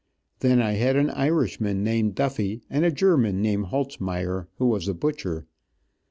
Then I had an Irishman named Duffy, and a German named Holzmeyer, who was a butcher.